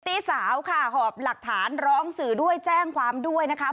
ตี้สาวค่ะหอบหลักฐานร้องสื่อด้วยแจ้งความด้วยนะคะ